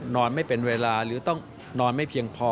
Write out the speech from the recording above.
ไม่เป็นเวลาหรือต้องนอนไม่เพียงพอ